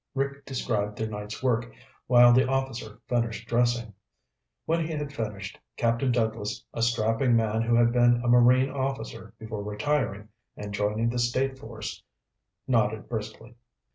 Rick described their night's work while the officer finished dressing. When he had finished, Captain Douglas, a strapping man who had been a Marine officer before retiring and joining the state force, nodded briskly.